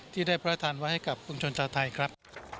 ที่ได้พระทานไว้ให้กับคุณชนชาวไทยครับ